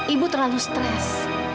ibu terlalu stres